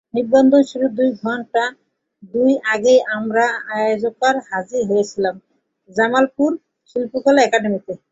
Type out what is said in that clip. নিবন্ধন শুরুর ঘন্টা দুই আগেই আমরা আয়োজকরা হাজির হয়েছিলাম জামালপুর শিল্পকলা একাডেমীতে।